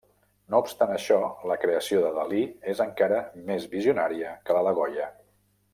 No obstant això, la creació de Dalí és encara més visionària que la de Goya.